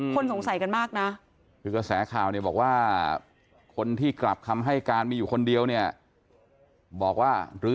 คนสงสัยกันมากนะ